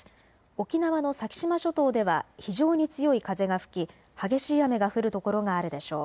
沖縄の先島諸島では非常に強い風が吹き、激しい雨が降る所があるでしょう。